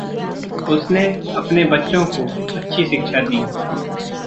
उसने अपने बच्चों को अच्छी शिक्षा दी।